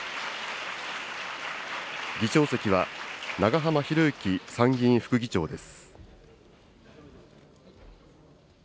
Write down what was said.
議長席は、長浜博行参議院副議長です。